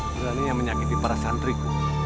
berani yang menyakiti para santriku